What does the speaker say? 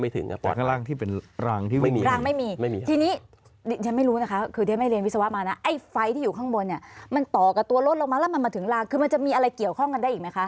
ถึงรางคือมันจะมีอะไรเกี่ยวข้องกันได้อีกไหมคะ